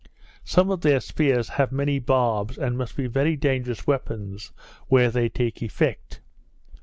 Some of their spears have many barbs, and must be very dangerous weapons where they take effect.